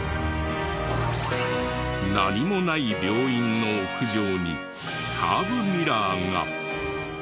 何もない病院の屋上にカーブミラーが。